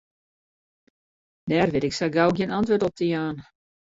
Dêr wit ik sa gau gjin antwurd op te jaan.